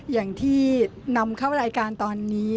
อย่างที่นำเข้ารายการตอนนี้